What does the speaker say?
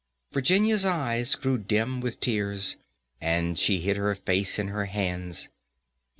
Virginia's eyes grew dim with tears, and she hid her face in her hands.